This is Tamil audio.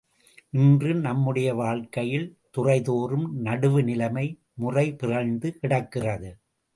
இன்று நம்முடைய வாழ்க்கையில் துறைதோறும் நடுவு நிலை, முறை பிறழ்ந்து கிடக்கிறது.